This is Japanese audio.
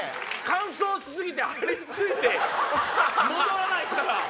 乾燥し過ぎて貼りついて戻らないから。